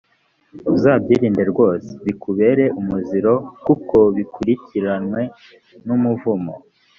uzabyirinde rwose, bikubere umuziro, kuko bikurikiranwe n’umuvumo.